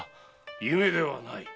夢ではない。